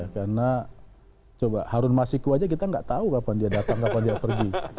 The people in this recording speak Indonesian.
karena coba harun masiku saja kita tidak tahu kapan dia datang kapan dia pergi